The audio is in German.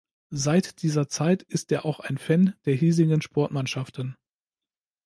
Seit dieser Zeit ist er auch ein Fan der hiesigen Sportmannschaften.